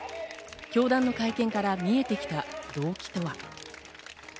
教団の会見から見えて来た動機とは？